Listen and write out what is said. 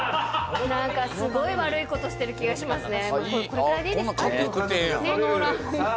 すごい悪いことしてる気がしますね。